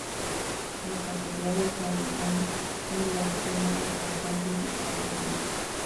La Cacería de Calidón era el tema del frontón principal del templo.